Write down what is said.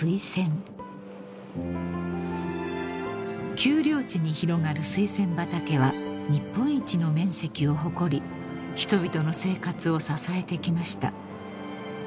［丘陵地に広がるスイセン畑は日本一の面積を誇り人々の生活を支えてきました］